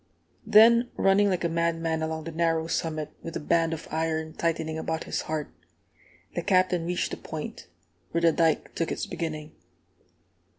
Then, running like a madman along the narrow summit, with a band of iron tightening about his heart, the Captain reached the Point, where the dike took its beginning.